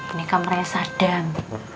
ini kamarnya sadang